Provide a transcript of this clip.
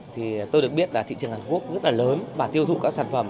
thì tôi được biết là thị trường hàn quốc rất là lớn và tiêu thụ các sản phẩm